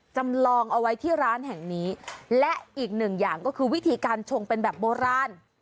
จำลองเอาไว้ที่ร้านแห่งนี้และอีกหนึ่งอย่างก็คือวิธีการชงเป็นแบบโบราณ